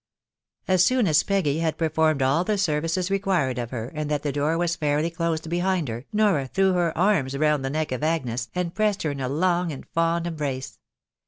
As soon as Peggy had performed all the services required of her, and that the door was fairly closed behind her, Nora threw her arms round the neck of Agnes, and pressed her in a long and fond embrace.